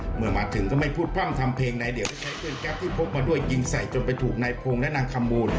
เมื่อมาถึงก็ไม่พูดพร่ำทำเพลงนายเดียวก็ใช้ปืนแก๊ปที่พกมาด้วยยิงใส่จนไปถูกนายพงศ์และนางคำมูล